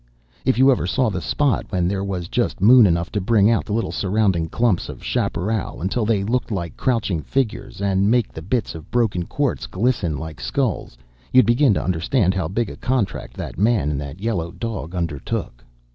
If you ever saw the spot when there was just moon enough to bring out the little surrounding clumps of chapparal until they looked like crouching figures, and make the bits of broken quartz glisten like skulls, you'd begin to understand how big a contract that man and that yellow dog undertook.